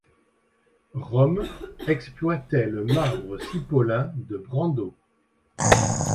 Rome exploitait le marbre cipolin de Brando.